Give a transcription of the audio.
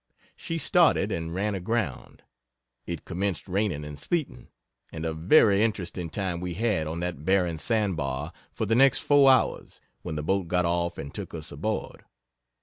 She started, and ran aground! It commenced raining and sleeting, and a very interesting time we had on that barren sandbar for the next four hours, when the boat got off and took us aboard.